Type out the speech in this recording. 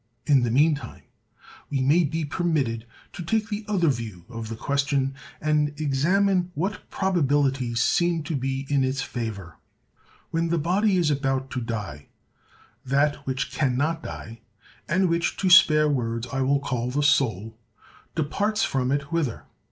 In the meantime, we may be permitted to take the other view of the question, and examine what probabilities seem to be in its favor. When the body is about to die, that which can not die, and which, to spare words, I will call THE SOUL, departs from it—whither?